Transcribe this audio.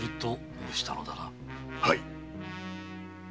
はい。